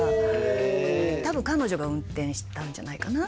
多分彼女が運転したんじゃないかな？